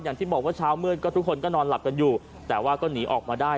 อย่างที่บอกว่าเช้ามืดก็ทุกคนก็นอนหลับกันอยู่แต่ว่าก็หนีออกมาได้